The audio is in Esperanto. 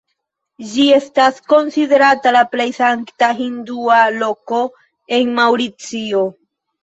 Ĝi estas konsiderata la plej sankta hindua loko en Maŭricio.